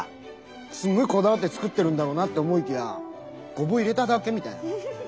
すんごいこだわって作ってるんだろうなって思いきやごぼう入れただけみたいな。